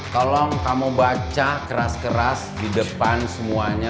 tolong kamu baca keras keras di depan semuanya